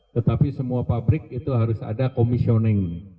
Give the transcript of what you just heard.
tetapi semua pabrik itu harus ada commissioning